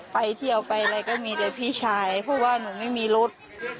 ไปเที่ยวไปอะไรก็มีแต่พี่ชายเพราะว่าหนูไม่มีรถ